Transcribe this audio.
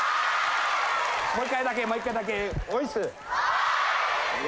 もう１回だけもう１回だけおいっす。